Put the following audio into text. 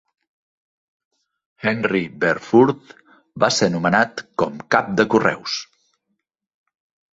Henry Verfurth va ser nomenat com cap de correus.